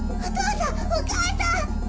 お母さん！